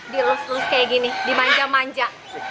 dilus lus kayak gini dimanja manja